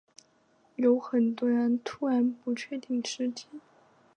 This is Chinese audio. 有很多人突然不确定时间